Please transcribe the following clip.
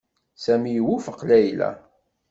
Sami iwufeq Layla.